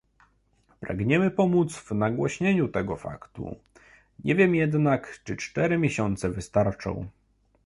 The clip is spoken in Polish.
Pragniemy pomóc w nagłośnieniu tego faktu, nie wiem jednak, czy cztery miesiące wystarczą